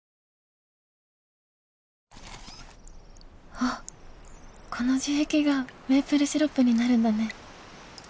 あっこの樹液がメープルシロップになるんだね。